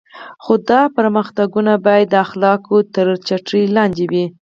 خو دا پرمختګونه باید د اخلاقو تر چتر لاندې وي.